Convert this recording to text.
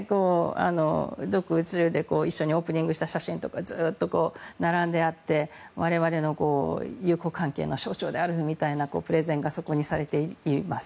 独中で一緒にオープニングした写真とかがずっと並んであって我々の友好関係の象徴であるみたいなプレゼンがそこにされています。